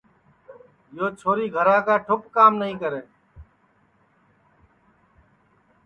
یو چھوری گھرا ٹُوپ کام نائی کرے